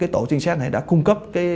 tổ trinh sát này đã cung cấp